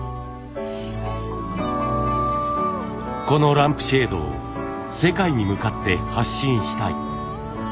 このランプシェードを世界に向かって発信したい。